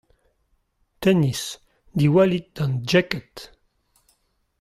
Tennis : diwallit d’an Dcheked !